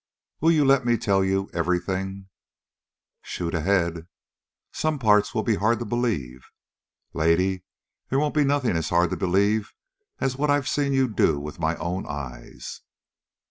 "Will you let me tell you everything?" "Shoot ahead." "Some parts will be hard to believe." "Lady, they won't be nothing as hard to believe as what I've seen you do with my own eyes."